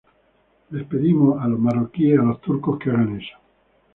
Les pedimos a los marroquíes y a los turcos que hagan eso.